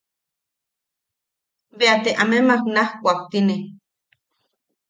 Bea te amemak naj kuaktine.